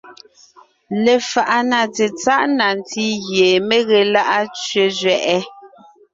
Lefaʼa na tsetsáʼ na ntí gie mé ge lá’a tsẅé zẅɛʼɛ: